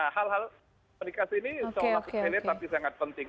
hal hal komunikasi ini seolah olah sangat penting